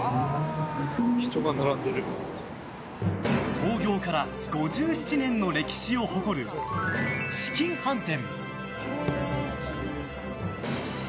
創業から５７年の歴史を誇る紫金飯店。